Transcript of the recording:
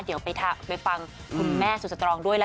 เดี๋ยวไปฟังคุณแม่สุดสตรองด้วยล่ะ